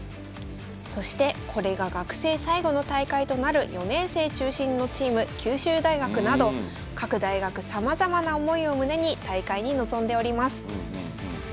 そしてこれが学生最後の大会となる４年生中心のチーム九州大学など各大学さまざまな思いを胸に大会に臨んでおります。